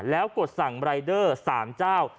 แล้วกดสั่งรายเดอร์๓เจ้า